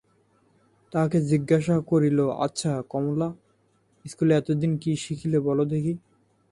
তাহাকে জিজ্ঞাসা করিল, আচ্ছা, কমলা, ইস্কুলে এতদিন কী শিখিলে বলো দেখি।